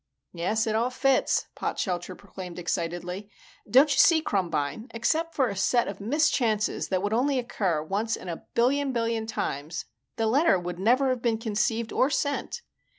"Yes, it all fits," Potshelter proclaimed excitedly. "Don't you see, Krumbine? Except for a set of mischances that would only occur once in a billion billion times, the letter would never have been conceived or sent."